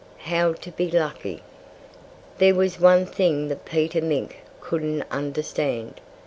HOW TO BE LUCKY There was one thing that Peter Mink couldn't understand.